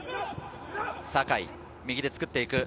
酒井が右で作っていく。